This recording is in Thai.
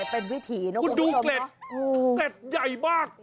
เป็นวิถีเนอะคุณดูเกล็ดเกร็ดใหญ่มาก